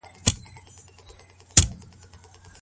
په موټر کي د مرستو بکس سته؟